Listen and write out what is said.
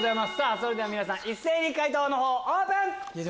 それでは皆さん一斉に解答のほうオープン！